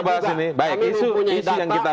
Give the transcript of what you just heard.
kami mempunyai data